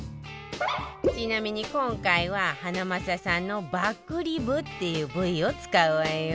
ちなみに今回はハナマサさんのバックリブっていう部位を使うわよ